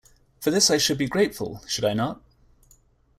For this I should be grateful, should I not?